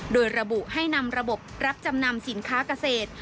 โดยระบุให้นำระบบรับจำนำสินค้าเกษตร